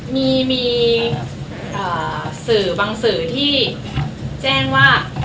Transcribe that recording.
มีสื่อบางสื่อที่แจ้งว่า